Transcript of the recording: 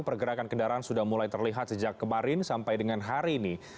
pergerakan kendaraan sudah mulai terlihat sejak kemarin sampai dengan hari ini